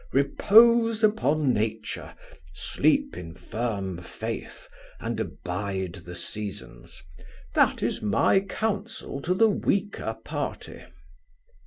Repose upon nature, sleep in firm faith, and abide the seasons. That is my counsel to the weaker party."